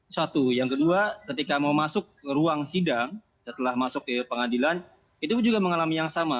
satu yang kedua ketika mau masuk ruang sidang setelah masuk ke pengadilan itu juga mengalami yang sama